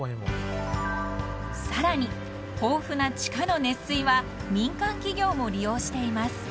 ［さらに豊富な地下の熱水は民間企業も利用しています］